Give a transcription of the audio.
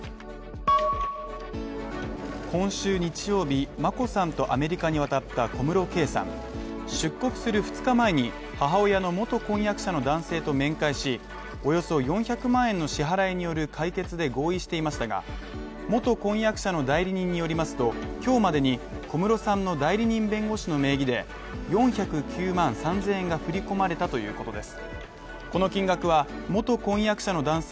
今週日曜日、眞子さんとアメリカに渡った小室圭さん、出国する２日前に母親の元婚約者の男性と面会し、およそ４００万円の支払いによる解決で合意していましたが、元婚約者の代理人によりますと、今日までに小室さんの代理人弁護士の名義で４０９万３０００円が振り込まれたということです。